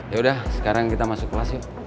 yaudah sekarang kita masuk kelas yuk